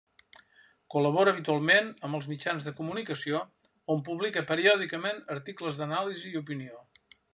Col·labora habitualment amb els mitjans de comunicació, on publica periòdicament articles d'anàlisi i opinió.